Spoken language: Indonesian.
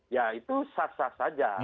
ya itu sah sah saja